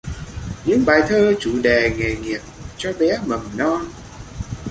Những bài thơ chủ đề nghề nghiệp cho bé mầm non